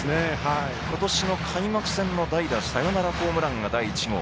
ことしの開幕戦の代打サヨナラホームランが第１号。